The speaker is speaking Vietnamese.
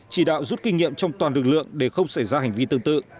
chỉ đạo rút kinh nghiệm trong toàn lực lượng để không xảy ra hành vi tương tự